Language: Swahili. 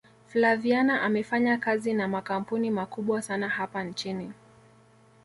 flaviana amefanyakazi na makampuni makubwa sana hapa nchini